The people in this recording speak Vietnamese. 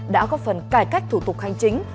đã có phần cải cách thủ tục hành chính